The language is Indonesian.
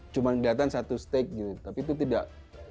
cuma kelihatan satu stake gitu tapi itu tidak